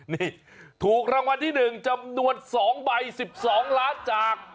นี่ถูกรางวัลที่๑จำนวน๒ใบ๑๒ล้านจาก